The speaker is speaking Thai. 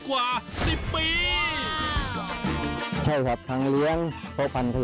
ว้าว